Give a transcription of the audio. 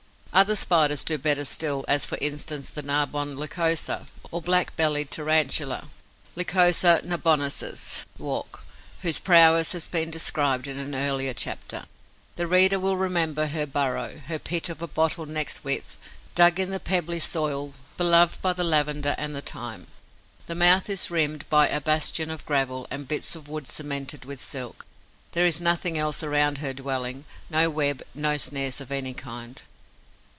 Other Spiders do better still, as, for instance, the Narbonne Lycosa, or Black bellied Tarantula (Lycosa narbonnensis, WALCK.), whose prowess has been described in an earlier chapter. The reader will remember her burrow, her pit of a bottle neck's width, dug in the pebbly soil beloved by the lavender and the thyme. The mouth is rimmed by a bastion of gravel and bits of wood cemented with silk. There is nothing else around her dwelling: no web, no snares of any kind.